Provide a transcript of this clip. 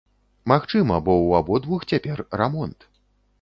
Магчыма, бо ў абодвух цяпер рамонт.